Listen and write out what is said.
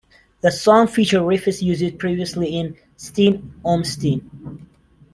The song features riffs used previously in "Stein um Stein".